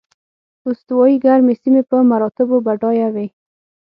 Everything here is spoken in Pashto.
استوایي ګرمې سیمې په مراتبو بډایه وې.